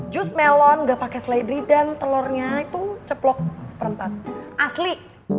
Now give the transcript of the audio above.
jus melon gak pakai seledri dan telurnya itu ceplok seperempat asli